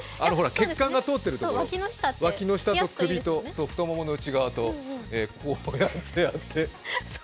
血管が通っているわきの下と首と太ももの内側と、こうやってやって。